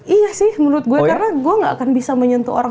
iya sih menurut gue karena gue gak akan bisa menyentuh orang